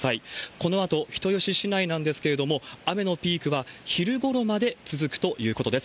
このあと、人吉市内なんですけれども、雨のピークは昼ごろまで続くということです。